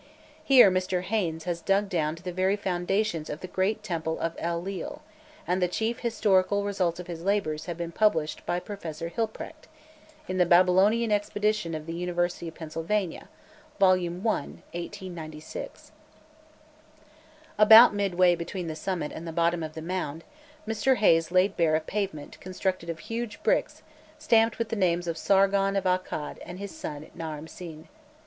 Here Mr. Haynes has dug down to the very foundations of the great temple of El lil, and the chief historical results of his labours have been published by Professor Hilprecht (in The Babylonian Expedition of the University of Pennsylvania, vol. i. pl. 2, 1896). About midway between the summit and the bottom of the mound, Mr. Haynes laid bare a pavement constructed of huge bricks stamped with the names of Sargon of Akkad and his son Naram Sin.